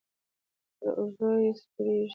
پر اوږو یې سپرېږي.